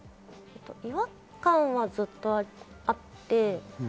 違和感はずっとあって。